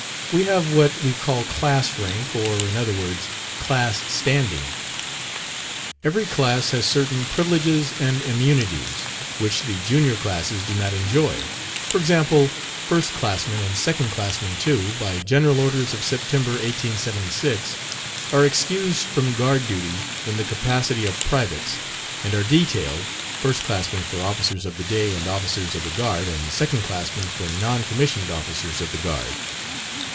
We have what we call class rank, or, in other words, class standing. Every class has certain privileges and immunities, which the junior classes do not enjoy; for example, first classmen, and second classmen too by General Orders of September, 1876 are excused from guard duty in the capacity of privates, and are detailed first classmen for officers of the day and officers of the guard, and second classmen for non commissioned officers of the guard.